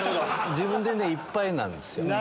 自分でねいっぱいなんですよ。